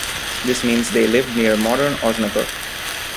This means they lived near modern Osnabruck.